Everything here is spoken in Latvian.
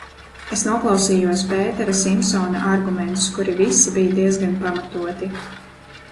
Es noklausījos Pētera Simsona argumentus, kuri visi bija diezgan pamatoti.